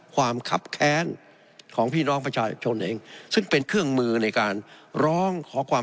ขับแค้นของพี่น้องประชาชนเองซึ่งเป็นเครื่องมือในการร้องขอความ